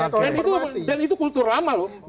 dan itu dan itu kultur lama loh